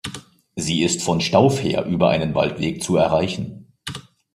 Sie ist von Stauf her über einen Waldweg zu erreichen.